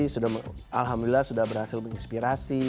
sudah alhamdulillah sudah berhasil menginspirasi